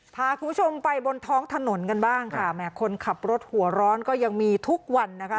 พาคุณผู้ชมไปบนท้องถนนกันบ้างค่ะแหมคนขับรถหัวร้อนก็ยังมีทุกวันนะคะ